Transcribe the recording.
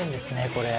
これ。